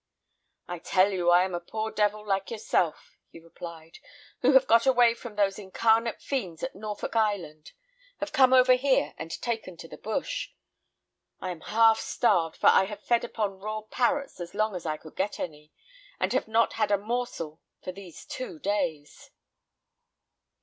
"I tell you I am a poor devil like yourself," he replied, "who have got away from those incarnate fiends at Norfolk Island, have come over here, and taken to the bush. I am half starved, for I have fed upon raw parrots as long as I could get any, and have not had a morsel for these two days."